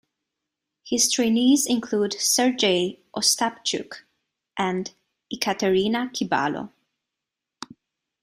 His trainees include Sergey Ostapchuk and Yekaterina Kibalo.